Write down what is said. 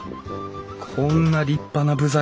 こんな立派な部材